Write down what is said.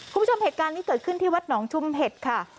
คุณผู้ชมเหตุการณ์นี้เกิดขึ้นที่วัดหนองชุมเห็ดค่ะ